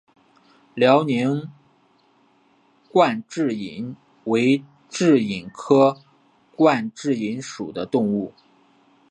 辽宁冠蛭蚓为蛭蚓科冠蛭蚓属的动物。